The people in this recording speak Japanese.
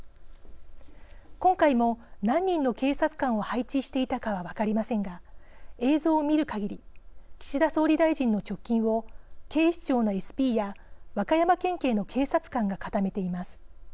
今回も何人の警察官を配置していたかは分かりませんが映像を見るかぎり岸田総理大臣の直近を警視庁のＳＰや和歌山県警の警察官が固めています。